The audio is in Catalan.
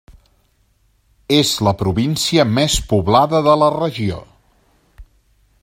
És la província més poblada de la Regió.